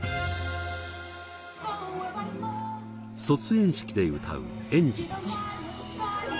卒園式で歌う園児たち。